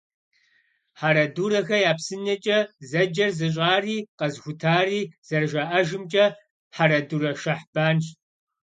«Хьэрэдурэхэ я псынэкӀэ» зэджэр зыщӀари, къэзыхутари, зэрыжаӀэжымкӀэ, Хьэрэдурэ Шэхьбанщ.